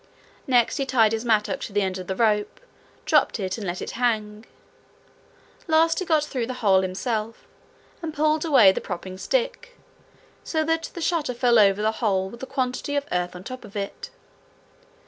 Next he tied his mattock to the end of the rope, dropped it, and let it hang. Last, he got through the hole himself, and pulled away the propping stick, so that the shutter fell over the hole with a quantity of earth on the top of it.